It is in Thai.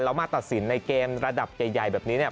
แล้วมาตัดสินในเกมระดับใหญ่แบบนี้เนี่ย